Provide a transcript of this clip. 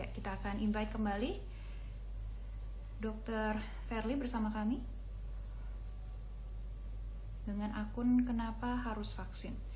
kita akan invite kembali dr verly bersama kami dengan akun kenapa harus vaksin